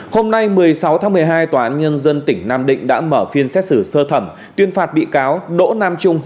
hôm nay một mươi sáu tháng một mươi hai tòa án nhân dân tỉnh nam định đã mở phiên xét xử sơ thẩm tuyên phạt bị cáo đỗ nam trung